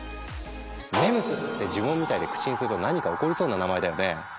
ＭＥＭＳって呪文みたいで口にすると何か起こりそうな名前だよね？